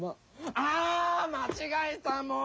あっまちがえたもう！